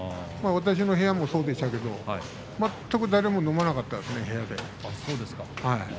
私の部屋もそうでしたけれども全く誰も飲まなかったですね部屋で。